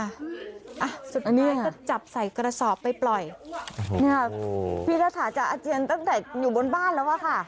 อันนี้ก็จับใส่กระซอบไปปล่อยโอ้โหนี่ครับพี่รถาจะอาเจียนตั้งแต่อยู่บนบ้านแล้วว่ะค่ะ